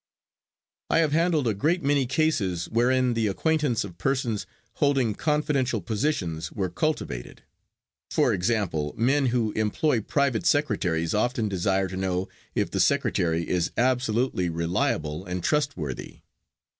I have handled a great many cases wherein the acquaintance of persons holding confidential positions were cultivated. For example, men who employ private secretaries often desire to know if the secretary is absolutely reliable and trustworthy.